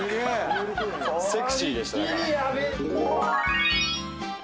「セクシーでしただから」